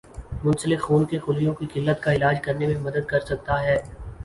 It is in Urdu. منسلک خون کے خلیوں کی قلت کا علاج کرنے میں مدد کر سکتا ہے